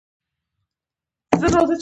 په افغانستان کې د د اوبو سرچینې منابع شته.